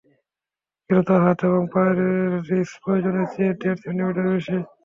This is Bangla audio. কিন্তু, তার হাত এবং পায়ের রীচ প্রয়োজনের চেয়ে দেড় সেন্টিমিটার বেশি।